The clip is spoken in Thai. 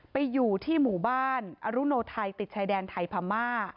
ไปอยู่ที่หมู่บ้านอรุโนไทยติดชายแดนไทยพม่า